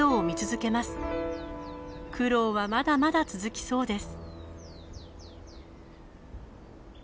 苦労はまだまだ続きそうです。